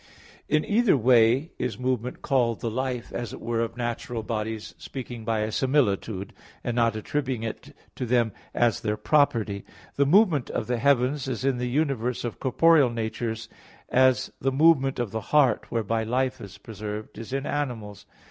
In either way is movement called the life, as it were, of natural bodies, speaking by a similitude, and not attributing it to them as their property. The movement of the heavens is in the universe of corporeal natures as the movement of the heart, whereby life is preserved, is in animals.